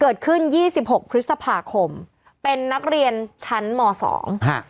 เกิดขึ้นยี่สิบหกคริสตภาคมเป็นนักเรียนชั้นหมอสองฮะ